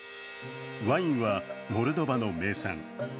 ワインはモルドバの名産